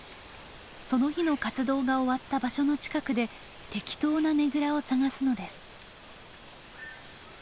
その日の活動が終わった場所の近くで適当なねぐらを探すのです。